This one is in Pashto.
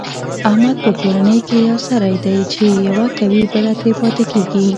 احمد په کورنۍ کې یو سری دی، چې یوه کوي بله ترې پاتې کېږي.